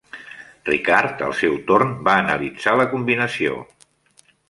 Ricardo, al seu torn, va analitzar la combinació.